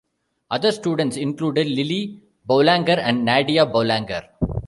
Other students included Lili Boulanger and Nadia Boulanger.